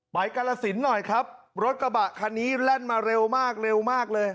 กาลสินหน่อยครับรถกระบะคันนี้แล่นมาเร็วมากเร็วมากเลย